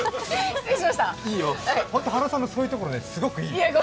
ほんと、原さんのそういうところね、すごくいい。